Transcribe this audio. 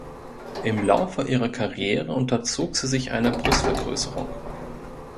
Im Laufe ihrer Karriere unterzog sie sich einer Brustvergrößerung.